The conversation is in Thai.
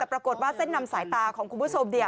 ปรากฏว่าเส้นนำสายตาของคุณผู้ชม